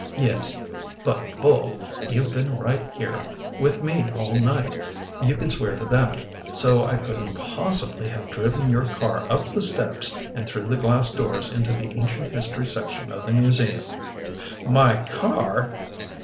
"Yes. But, Bull, you've been right here with me all night. You can swear to that. So I couldn't possibly have driven your car up the steps and through the glass doors into the ancient history section of the museum." "My car!"